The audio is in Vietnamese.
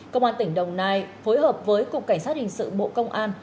công an tỉnh đồng nai phối hợp với cục cảnh sát hình sự bộ công an